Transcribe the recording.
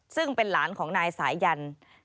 ซึ่งเป็นหลานของนายสายัน